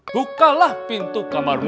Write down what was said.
bukalah pintu kamarmu